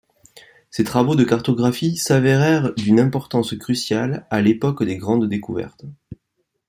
Ses travaux de cartographie s'avérèrent d'une importance cruciale à l'époque des Grandes découvertes.